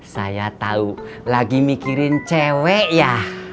saya tahu lagi mikirin cewek ya